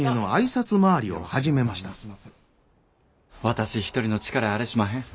私一人の力やあれしまへん。